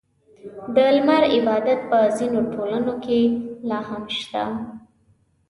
• د لمر عبادت په ځینو ټولنو کې لا هم شته.